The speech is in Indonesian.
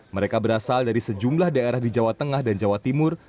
mereka berasal dari sejumlah daerah di jawa tengah dan jawa timur